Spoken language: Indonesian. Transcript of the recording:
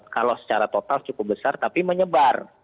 kalau secara total cukup besar tapi menyebar